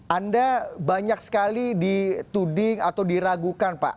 anda banyak sekali dituding atau diragukan pak